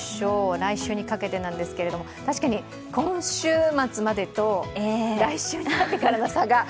来週にかけてですけれども、確かに今週末までと来週になってからの差が。